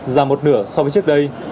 giảm một nửa so với trước đây